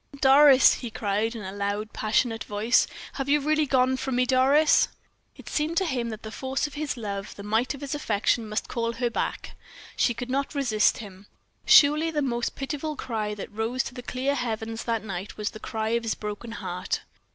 "Doris!" he cried, in a loud, passionate voice, "have you really gone from me, Doris?" It seemed to him that the force of his love, the might of his affection, must call her back she could not resist him. Surely the most pitiful cry that rose to the clear heavens that night was the cry of this broken heart.